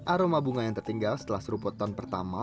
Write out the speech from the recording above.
aroma bunga yang tertinggal setelah seruput ton pertama